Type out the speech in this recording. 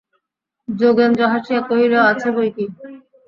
যোগেন্দ্র হাসিয়া কহিল, আছে বৈকি।